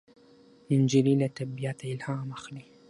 نجلۍ له طبیعته الهام اخلي.